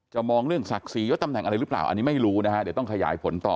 มองเรื่องศักดิ์ศรียศตำแหน่งอะไรหรือเปล่าอันนี้ไม่รู้นะฮะเดี๋ยวต้องขยายผลต่อ